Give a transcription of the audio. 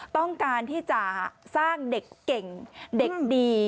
ต้องการที่จะสร้างเด็กเก่งเด็กดี